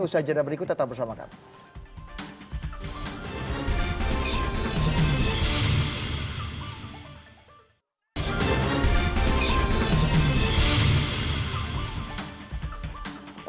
usaha jadwal berikut tetap bersama kami